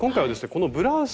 このブラウス